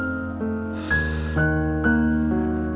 ipu jumpa pakai apel di pulang